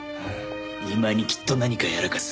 今にきっと何かやらかす。